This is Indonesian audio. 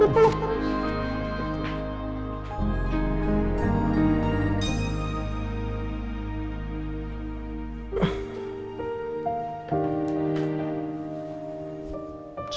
gak bisa peluk terus